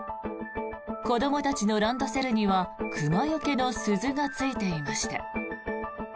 子どもたちのランドセルには熊よけの鈴がついていました。